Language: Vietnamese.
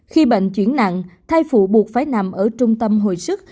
khi bệnh chuyển nặng thai phụ buộc phải nằm ở trung tâm hồi sức